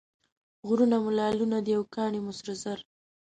غرونه مو لعلونه دي او کاڼي مو سره زر.